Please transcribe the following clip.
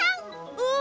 うん！